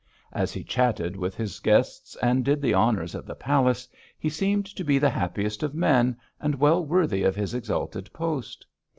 As he chatted with his guests and did the honours of the palace, he seemed to be the happiest of men, and well worthy of his exalted post.